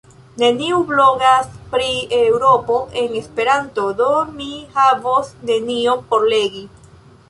Neniu blogas pri Eŭropo en Esperanto, do mi havos nenion por legi.